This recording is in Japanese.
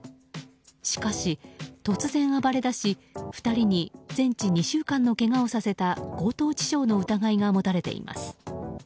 しかし、突然暴れだし２人に全治２週間のけがをさせた強盗致傷の疑いが持たれています。